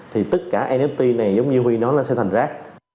thì tất cả nft này giống như huy nói là sẽ thành rác